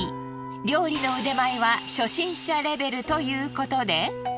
料理の腕前は初心者レベルということで。